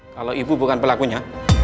kalau ibu bukan pelakunya